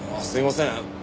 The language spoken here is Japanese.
すいません。